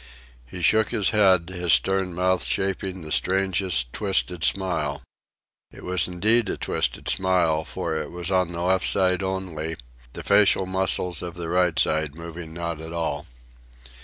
He shook his head, his stern mouth shaping the strangest, twisted smile. It was indeed a twisted smile, for it was on the left side only, the facial muscles of the right side moving not at all.